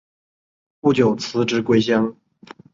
不久辞职归乡。